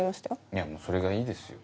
いやもうそれがいいですよ。